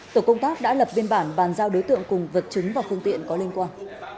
tổ công tác đã lập biên bản bàn giao đối tượng cùng vật chứng và phương tiện có liên quan